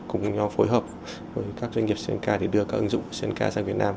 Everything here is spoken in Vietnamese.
làm nhau phối hợp với các doanh nghiệp sri lanka để đưa các ứng dụng của sri lanka sang việt nam